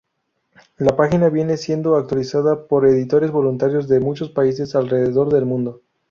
La página viene siendo actualizada por editores voluntarios de muchos países alrededor del mundo.